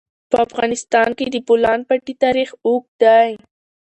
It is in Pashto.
په افغانستان کې د د بولان پټي تاریخ اوږد دی.